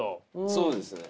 そうですね。